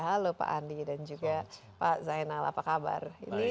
halo pak andi dan juga pak zainal apa kabar